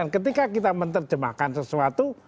ketika kita menerjemahkan sesuatu